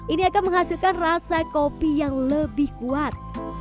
ini akan menghasilkan rasa kopi yang lebih kuat